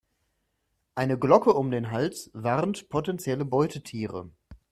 Eine Glocke um den Hals warnt potenzielle Beutetiere.